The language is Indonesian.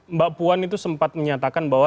mbak puan itu sempat menyatakan bahwa